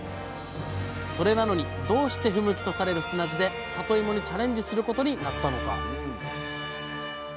それなのにどうして不向きとされる砂地でさといもにチャレンジすることになったのか？